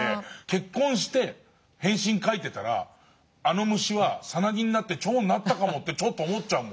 結婚して「変身」書いてたらあの虫はさなぎになって蝶になったかもとちょっと思っちゃう。